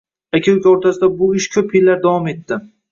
Aka-uka o`rtasida bu ish ko`p yillar davom etdi